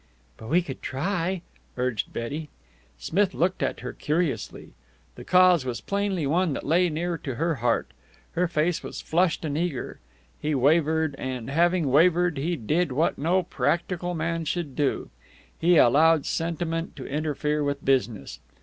"But we could try," urged Betty. Smith looked at her curiously. The cause was plainly one that lay near to her heart. Her face was flushed and eager. He wavered, and, having wavered, he did what no practical man should do. He allowed sentiment to interfere with business.